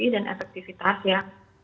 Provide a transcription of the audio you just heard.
dan efektivitas ya